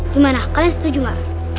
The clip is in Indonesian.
gimana kalian setuju ga